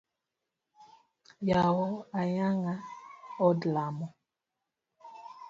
Yawo ayanga od lamo.